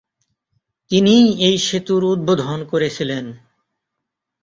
তিনিই এই সেতুর উদ্বোধন করেছিলেন।